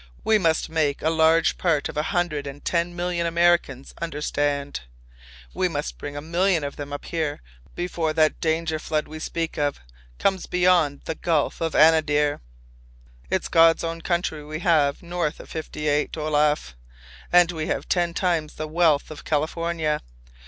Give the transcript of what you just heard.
We must make a large part of a hundred and ten million Americans understand. We must bring a million of them up here before that danger flood we speak of comes beyond the Gulf of Anadyr. It's God's own country we have north of Fifty eight, Olaf. And we have ten times the wealth of California.